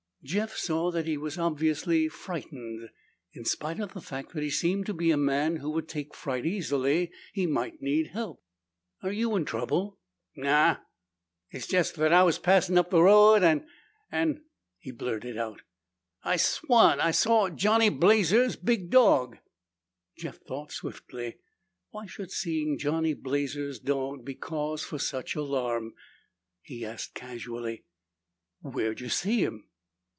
Jeff saw that he was obviously frightened. In spite of the fact that he seemed to be a man who would take fright easily, he might need help. "Are you in trouble?" "Nao. It's jest that I was passin' up the raoad an' an' " He blurted out. "I swan I saw Johnny Blazer's big dog!" Jeff thought swiftly. Why should seeing Johnny Blazer's dog be cause for such alarm? He asked casually, "Where'd you see him?"